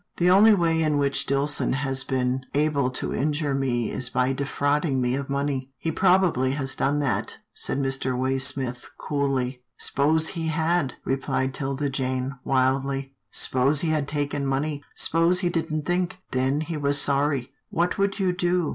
"" The only way in which Dillson has been able to injure me is by defrauding me of money. He probably has done that," said Mr. Way smith coolly. S'pose he had," replied 'Tilda Jane, wildly, " s'pose he had taken money — s'pose he didn't think — then he was sorry. What would you do?